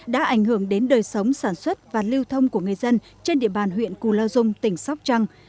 đã ảnh hưởng đến đời sống sản xuất và lưu thông của người dân trên địa bàn huyện cù lao dung tỉnh sóc trăng